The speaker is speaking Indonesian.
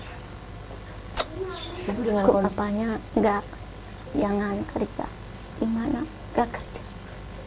hai cukup dengan apanya enggak jangan kerja gimana gak kerja itu